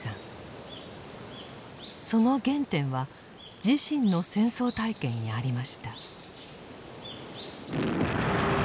その原点は自身の戦争体験にありました。